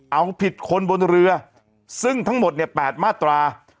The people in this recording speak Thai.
เอาผิดคนบนเรือซึ่งทั้งหมดเนี่ย๘มาตรา